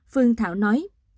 phương thảo nói